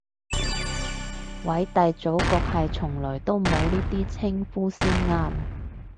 偉大祖國係從來都冇呢啲稱呼先啱